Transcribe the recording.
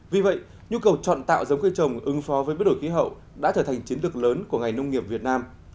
vì vậy nhu cầu chọn tạo giống cây trồng ứng phó với biến đổi khí hậu đã trở thành chiến lược lớn của ngành nông nghiệp việt nam